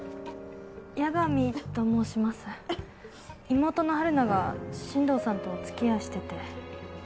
妹の陽菜が新藤さんとおつきあいしてて。